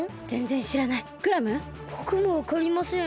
ぼくもわかりません。